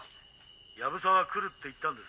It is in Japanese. ☎藪沢は「来る」って言ったんです。